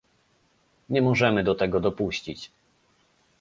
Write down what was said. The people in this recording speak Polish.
Nie możemy do tego dopuścić